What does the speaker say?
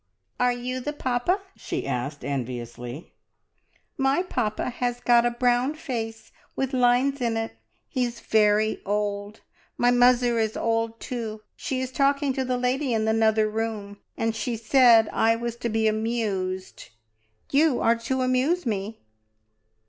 "Are you the papa?" she asked enviously. "My papa has got a brown face with lines in it. He is very old. My muzzer is old too. She is talking to the lady in the 'nother room, and she said I was to be amused. You are to amuse me!"